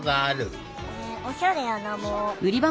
おしゃれやなもう。